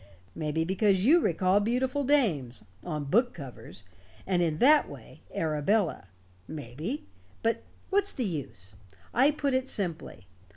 Maybe because you recall beautiful dames on book covers and in that way, Arabella. Maybe but what's the use? I put it simply.